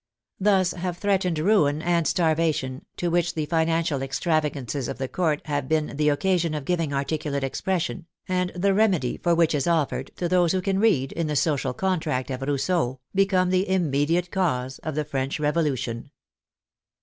Thus have threatened ruin and starvation, to which the financial extravagances of the Court have been the occa sion of giving articulate expression, and the remedy for which is offered, to those who can read, in the Social Con tract of Rousseau, become the immediate cause of the French Revolution.